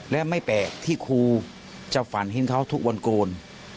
และไม่แปลกที่ครูจะฝันเห็นเขาทุกวันโกน